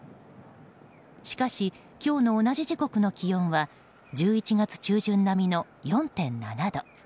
しかし、今日の同じ時刻の気温は１１月中旬並みの４．７度。